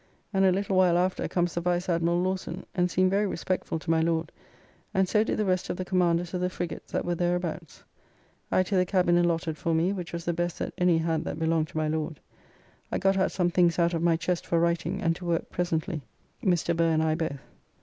And a little while after comes the Vice Admiral Lawson, and seemed very respectful to my Lord, and so did the rest of the Commanders of the frigates that were thereabouts. I to the cabin allotted for me, which was the best that any had that belonged to my Lord. I got out some things out of my chest for writing and to work presently, Mr. Burr and I both.